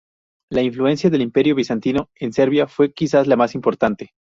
La influencia del Imperio bizantino en Serbia fue quizás la más importante.